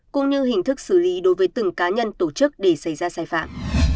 cũng như hình thức xử lý đối với từng cá nhân tổ chức để xảy ra sai phạm